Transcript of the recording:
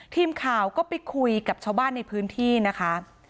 ทีมข่าวก็ไปคุยกับชาวบ้านในพื้นที่นะคะ